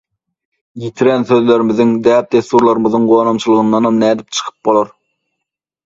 Ýitiren sözlerimiziň, däpdessurlarymyzyň «gonamçylgyndanam» nädip çykyp bolar.